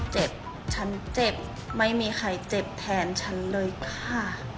เจ็บฉันเจ็บไม่มีใครเจ็บแทนฉันเลยค่ะ